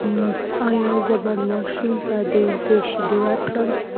ایا زه باید ماشوم ته د وزې شیدې ورکړم؟